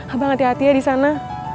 abang hati hati ya di sana